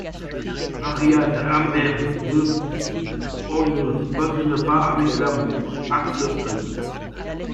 Variante en vers de : On ne badine pas avec l'amour, acte un.